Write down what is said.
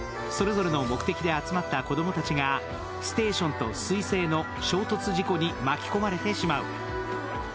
それぞれの目的で集まった子供たちがステーションとすい星の衝突事故に巻き込まれてしまう。